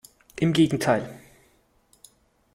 Im Gegenteil!